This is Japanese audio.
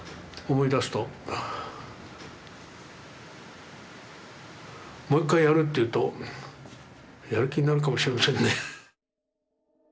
もう一回やるというとやる気になるかもしれませんね。